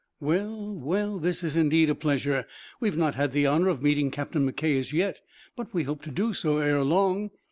"Well, well, this is indeed a pleasure. We have not had the honor of meeting Captain McKay as yet, but we hope to do so, ere long.